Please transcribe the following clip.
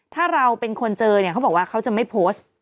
ถ้าเราเป็นคนเจอเนี่ยเขาบอกว่าเขาจะไม่โพสต์